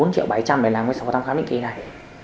để làm sổ thăm khám định kỳ này